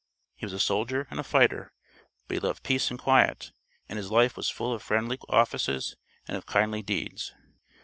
He was a soldier and a fighter; but he loved peace and quiet, and his life was full of friendly offices and of kindly deeds.